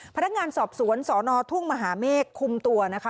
พนักงานสอบสวนสนทุ่งมหาเมฆคุมตัวนะคะ